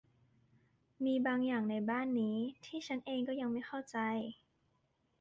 มีบางอย่างในบ้านนี้ที่ฉันเองก็ยังไม่เข้าใจ